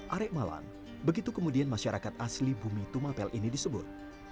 arek malang begitu kemudian masyarakat asli bumi tumapel ini disebut